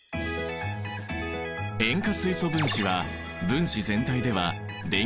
塩化水素分子は分子全体では電気的に中性だ。